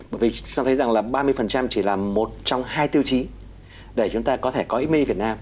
bởi vì chúng ta thấy rằng là ba mươi chỉ là một trong hai tiêu chí để chúng ta có thể có made in việt nam